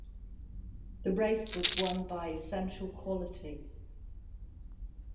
The race was won by Essential Quality.